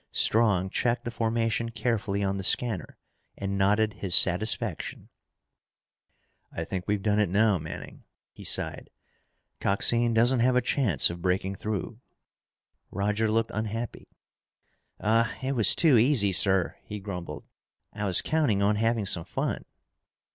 Strong checked the formation carefully on the scanner and nodded his satisfaction. "I think we've done it now, Manning," he sighed. "Coxine doesn't have a chance of breaking through." Roger looked unhappy. "Ah, it was too easy, sir," he grumbled. "I was counting on having some fun."